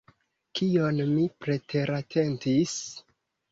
Kion mi preteratentis?